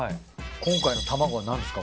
今回の卵はなんですか？